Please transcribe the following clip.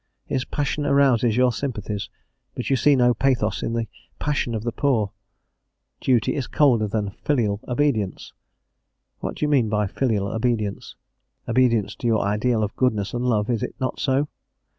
His passion arouses your sympathies, but you see no pathos in the passion of the poor? Duty is colder than "filial obedience?" What do you mean by filial obedience? Obedience to your ideal of goodness and love, is it not so?